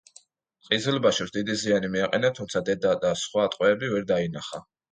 ყიზილბაშებს დიდი ზიანი მიაყენა თუმცა, დედა და სხვა ტყვეები ვერ დაიხსნა.